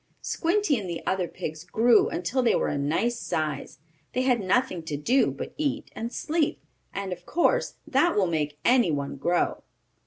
Squinty and the other pigs grew until they were a nice size. They had nothing to do but eat and sleep, and of course that will make anyone grow.